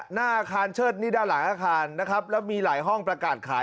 หน้าอาคารเชิดนี่ด้านหลังอาคารนะครับแล้วมีหลายห้องประกาศขาย